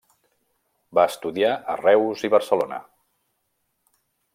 Va estudiar a Reus i Barcelona.